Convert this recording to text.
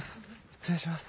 失礼します。